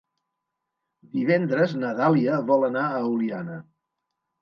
Divendres na Dàlia vol anar a Oliana.